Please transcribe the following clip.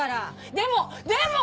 でもでも！